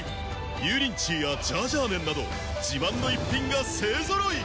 油淋鶏やジャージャー麺など自慢の逸品が勢揃い！